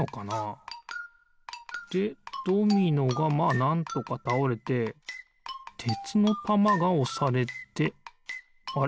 でドミノがまあなんとかたおれててつのたまがおされてあれ？